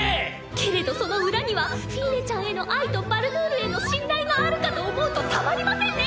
けれどその裏にはフィーネちゃんへの愛とバルドゥールへの信頼があるかと思うとたまりませんね！